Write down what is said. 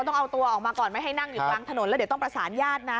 ต้องออกก่อนไม่ให้นั่งอยู่กลางถนนแล้วจะต้องประสานญาตินะ